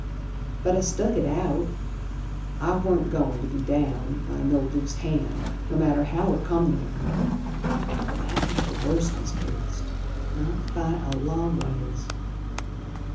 But I stuck it out, I warn't goin' to be downed By no loose hand, no matter how it come ther But that ain't the worst, Mis' Priest, Not by a long ways.